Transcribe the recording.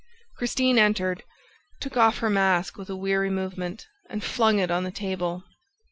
Christine entered, took off her mask with a weary movement and flung it on the table.